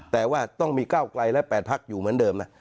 แต่ว่าต้องมีก้าวไกลและ๘พักอยู่เหมือนเดิมนะ